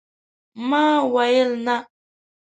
ما ويل ، نه !